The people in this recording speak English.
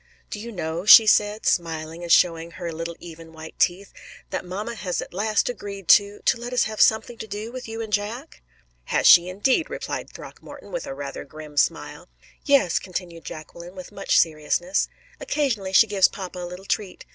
"Do you know," she said, smiling and showing her little even white teeth, "that mamma has at last agreed to to let us have something to do with you and Jack?" "Has she, indeed?" replied Throckmorton, with rather a grim smile. "Yes," continued Jacqueline, with much seriousness. "Occasionally she gives papa a little treat.